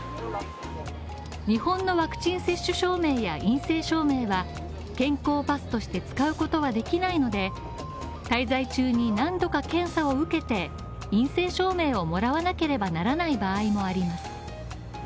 日本のワクチン接種証明や陰性証明は健康パスとして使うことはできないので滞在中に何度か検査を受けて陰性証明をもらわなければならない場合もあります。